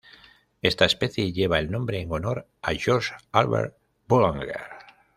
Esta especie lleva el nombre en honor a George Albert Boulenger.